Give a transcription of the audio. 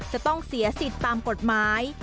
จะต้องเสียสิทธิ์ตามกฎหมาย